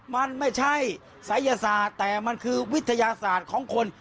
มันไม่ใช่ศัยศาสตร์แต่มันคือวิทยาศาสตร์ของคน